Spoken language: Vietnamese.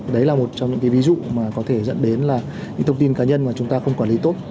đấy là một trong những cái ví dụ mà có thể dẫn đến là những thông tin cá nhân mà chúng ta không quản lý tốt